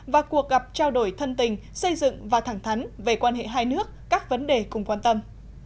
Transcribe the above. và cuộc gặp trao đổi thân tình xây dựng và thẳng thắn về quan hệ hai nước các vấn đề cùng quan tâm